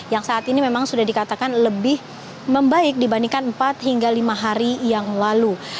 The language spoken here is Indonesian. yang saat ini memang sudah dikatakan lebih membaik dibandingkan empat hingga lima hari yang lalu